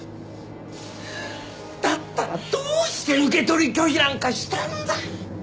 だったらどうして受け取り拒否なんかしたんだ！？